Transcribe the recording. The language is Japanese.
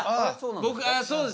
僕そうです。